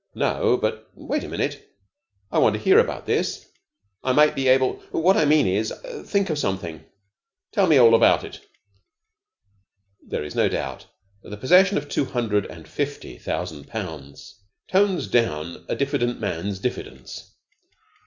"No, but wait a minute. I want to hear about this. I might be able what I mean is think of something. Tell me all about it." There is no doubt that the possession of two hundred and fifty thousand pounds tones down a diffident man's diffidence.